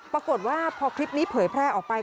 ปรากฏว่าพอคลิปนี้เผยแพร่ออกไป